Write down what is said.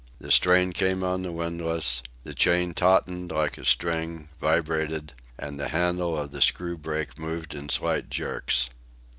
The strain came on the windlass, the chain tautened like a string, vibrated and the handle of the screw brake moved in slight jerks.